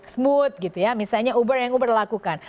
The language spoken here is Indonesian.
smooth gitu ya misalnya uber yang uber lakukan